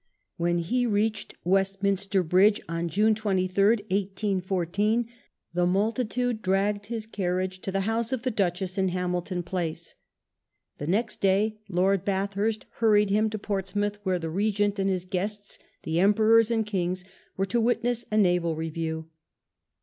When he reached Westminster Bridge on June 23rd, 1814, the multitude dragged his carriage to the house of the Duchess in Hamilton Place. The next day Lord Bathurst hurried him to Portsmouth, where the Eegent and his guests, the Emperors and Kings, were to witness a naval review.